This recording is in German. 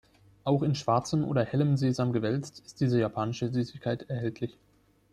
Auch in schwarzem oder hellem Sesam gewälzt ist diese japanische Süßigkeit erhältlich.